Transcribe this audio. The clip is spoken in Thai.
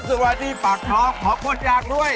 สำเร็จสวัสดีปากท้องผลโคตรยากด้วย